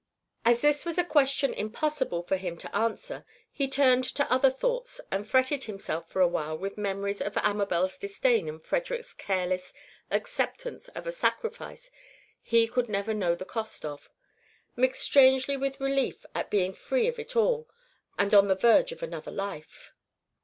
As this was a question impossible for him to answer, he turned to other thoughts and fretted himself for a while with memories of Amabel's disdain and Frederick's careless acceptance of a sacrifice he could never know the cost of, mixed strangely with relief at being free of it all and on the verge of another life.